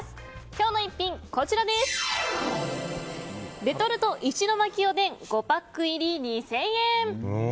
今日の逸品はレトルト石巻おでん５パック入り２０００円。